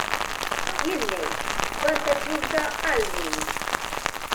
Jien ngħid: Vantaġġjuża għal min?